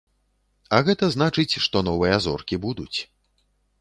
А гэта значыць, што новыя зоркі будуць.